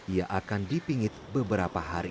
ia akan dipingit beberapa hari